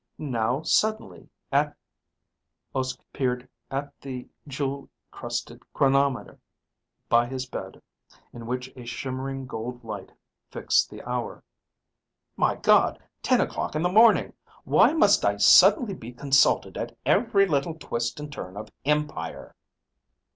Now, suddenly, at " Uske peered at the jewel crusted chronometer by his bed in which a shimmering gold light fixed the hour, " my God, ten o'clock in the morning! Why must I suddenly be consulted at every little twist and turn of empire?"